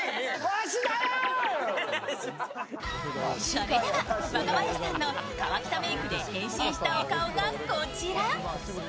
それでは、若林さんの河北メイクで変身したお顔がこちら。